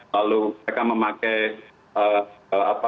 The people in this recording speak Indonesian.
lalu mereka memakai apa